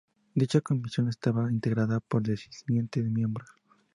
Dicha comisión estaba integrada por diecisiete miembros.